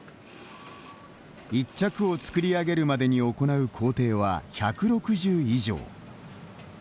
１着を作り上げるまでに行う工程は１６０以上。